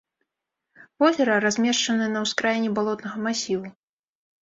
Возера размешчана на ўскраіне балотнага масіву.